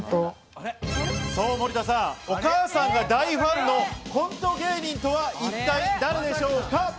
森田さん、お母さんが大ファンのコント芸人とは一体誰でしょうか？